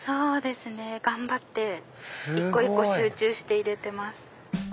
頑張って一個一個集中して入れてます。